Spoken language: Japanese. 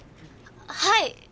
はい！